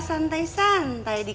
yang kejutan ya